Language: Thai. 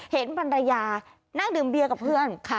เห็นภรรยานั่งดื่มเบียร์กับเพื่อน